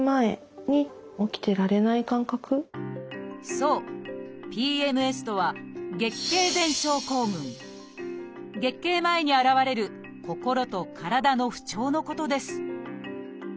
そう「ＰＭＳ」とは月経前に現れる心と体の不調のことです